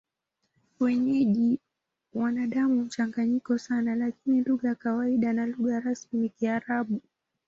Wenyeji wana damu mchanganyiko sana, lakini lugha ya kawaida na lugha rasmi ni Kiarabu.